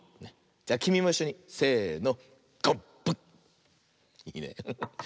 じゃきみもいっしょにせの。